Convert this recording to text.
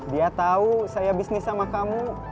dia tahu saya bisnis sama kamu